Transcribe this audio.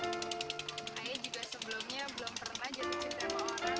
saya juga sebelumnya belum pernah jatuh cinta sama orang